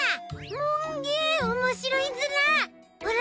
もんげおもしろいズラ！